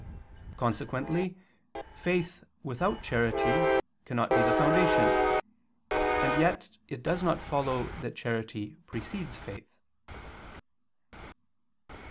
Consequently faith without charity cannot be the foundation: and yet it does not follow that charity precedes faith.